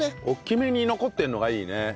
大きめに残ってるのがいいね。